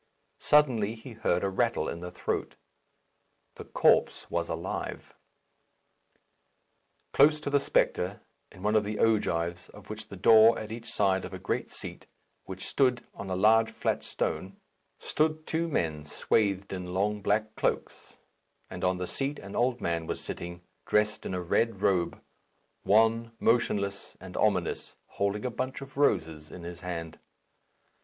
Suddenly he heard a rattle in the throat. The corpse was alive. Close to the spectre, in one of the ogives of the door, on each side of a great seat, which stood on a large flat stone, stood two men swathed in long black cloaks; and on the seat an old man was sitting, dressed in a red robe wan, motionless, and ominous, holding a bunch of roses in his hand.